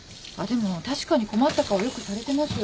でも確かに困った顔よくされてます。